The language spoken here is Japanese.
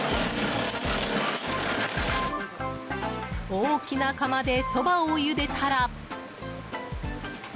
大きな釜でそばをゆでたら。